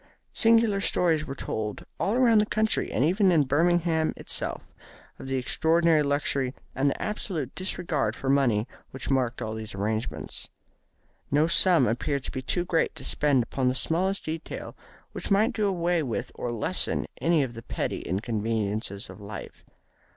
Singular stories were told all round the country, and even in Birmingham itself, of the extraordinary luxury and the absolute disregard for money which marked all these arrangements. No sum appeared to be too great to spend upon the smallest detail which might do away with or lessen any of the petty inconveniences of life.